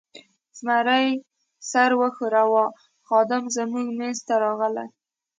زمري سر و ښوراوه، خادم زموږ مېز ته راغلی.